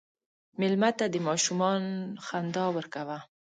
مېلمه ته د ماشومان خندا ورکوه.